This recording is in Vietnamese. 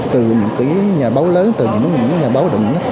từ những nhà báo lớn từ những nhà báo đựng nhất